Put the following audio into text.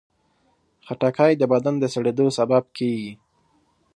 خټکی د بدن د سړېدو سبب کېږي.